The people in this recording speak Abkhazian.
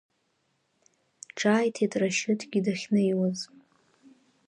Ҿааиҭит Рашьыҭгьы дахьнеиуаз.